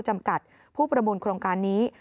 จำกัดผู้ประมูลโครงการนี้